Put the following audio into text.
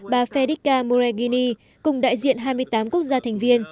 bà federica moreghini cùng đại diện hai mươi tám quốc gia thành viên